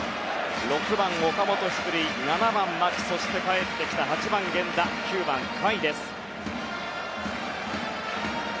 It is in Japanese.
６番の岡本が出塁７番には牧そして帰ってきた８番、源田９番、甲斐です。